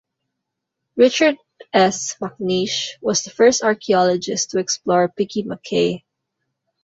Richard S. MacNeish was the first archaeologist to explore Piki Mach'ay.